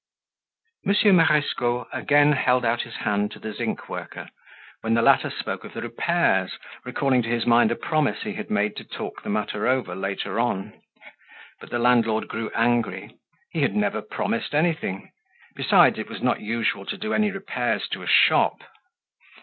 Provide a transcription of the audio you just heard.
Monsieur Marescot again held out his hand to the zinc worker, when the latter spoke of the repairs, recalling to his mind a promise he had made to talk the matter over later on. But the landlord grew angry, he had never promised anything; besides, it was not usual to do any repairs to a shop.